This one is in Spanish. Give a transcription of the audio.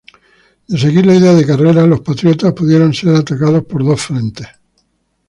De seguir la idea de Carrera, los patriotas pudieron ser atacados por dos frentes.